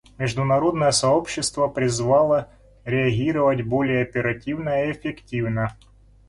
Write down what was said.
Международное сообщество призвано реагировать более оперативно и эффективно.